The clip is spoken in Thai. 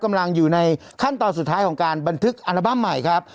กำลังอยู่ในขั้นตอนสุดท้ายของการบันทึกอัลบั้มใหม่ครับ